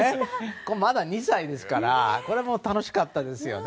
まだ２歳ですからこれは楽しかったですよね。